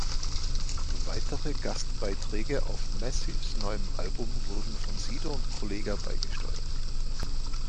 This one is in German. Weitere Gastbeiträge auf Massivs neuem Album wurden von Sido und Kollegah beigesteuert.